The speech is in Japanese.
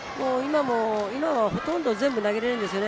今はほとんど全部投げられるんですよね。